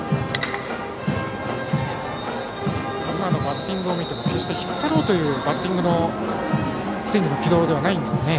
今のバッティングを見ても決して引っ張ろうというスイングの軌道ではないですね。